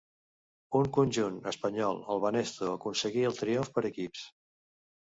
Un conjunt espanyol, el Banesto, aconseguí el triomf per equips.